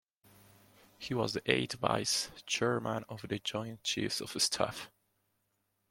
He was the eighth Vice Chairman of the Joint Chiefs of Staff.